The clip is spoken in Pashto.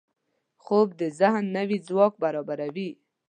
خوب د ذهن نوي ځواک برابروي